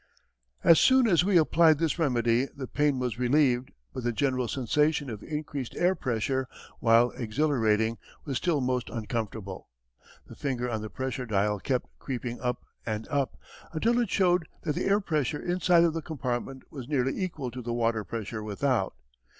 As soon as we applied this remedy, the pain was relieved, but the general sensation of increased air pressure, while exhilarating, was still most uncomfortable. The finger on the pressure dial kept creeping up and up, until it showed that the air pressure inside of the compartment was nearly equal to the water pressure without.